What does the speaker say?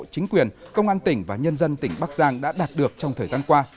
chính quyền công an tỉnh và nhân dân tỉnh bắc giang đã đạt được trong thời gian qua